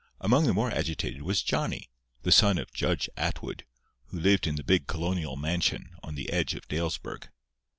Among the more agitated was Johnny, the son of Judge Atwood, who lived in the big colonial mansion on the edge of Dalesburg.